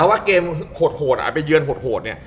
ว่าเกมโหดอาจไปเยือนโหดเนี่ย